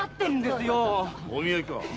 見合いか？